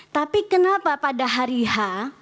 tapi kenapa pada hari h